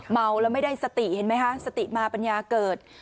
เมาแล้วไม่ได้สติเห็นไหมคะสติมาปัญญาเกิด